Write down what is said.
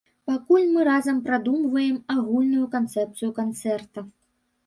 Пакуль мы разам прадумваем агульную канцэпцыю канцэрта.